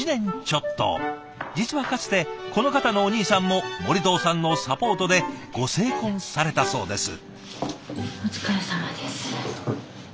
実はかつてこの方のお兄さんも森藤さんのサポートでご成婚されたそうです。